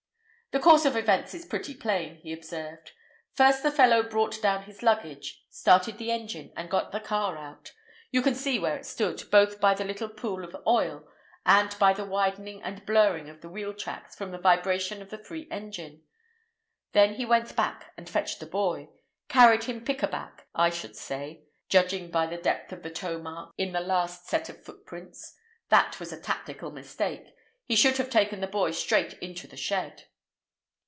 "The course of events is pretty plain," he observed. "First the fellow brought down his luggage, started the engine, and got the car out—you can see where it stood, both by the little pool of oil, and by the widening and blurring of the wheel tracks from the vibration of the free engine; then he went back and fetched the boy—carried him pick a back, I should say, judging by the depth of the toe marks in the last set of footprints. That was a tactical mistake. He should have taken the boy straight into the shed."